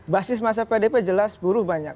basis masa pdp jelas buruh banyak